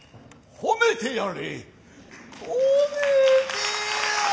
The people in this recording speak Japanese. ほめてやれ。